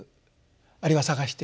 あるいは探していく。